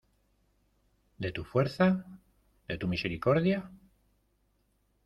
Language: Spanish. ¿ de tu fuerza, de tu misericordia?